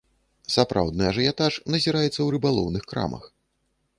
Сапраўдны ажыятаж назіраецца і ў рыбалоўных крамах.